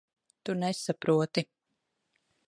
Tu nesaproti.